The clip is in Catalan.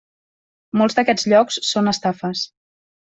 Molts d'aquests llocs són estafes.